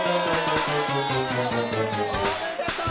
おめでとう！